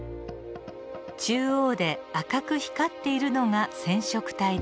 中央で赤く光っているのが染色体です。